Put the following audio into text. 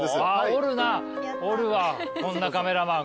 おるなおるわこんなカメラマン